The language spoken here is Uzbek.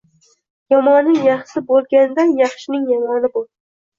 Yomonning yaxshisi bo’lgandan yaxshining yomoni bo’l.